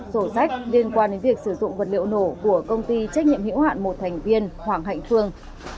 sổ sách liên quan đến việc sử dụng vật liệu nổ của công ty trách nhiệm hiểu hạn một thành viên hoàng hạnh phương